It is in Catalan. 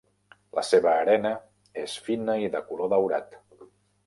La seva arena és fina i de color daurat.